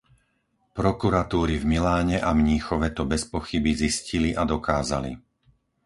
Prokuratúry v Miláne a Mníchove to bez pochyby zistili a dokázali.